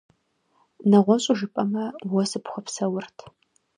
НэгъуэщӀу жыпӀэмэ, уэ сыпхуэпсэурт…